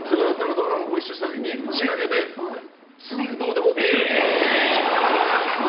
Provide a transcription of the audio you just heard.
ドラマご一緒した時に打ち上げで寸胴で持ってきてくれたの。